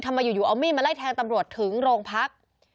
อยู่เอามีดมาไล่แทงตำรวจถึงโรงพัก